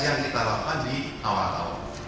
yang kita lakukan di awal tahun